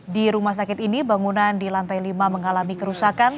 di rumah sakit ini bangunan di lantai lima mengalami kerusakan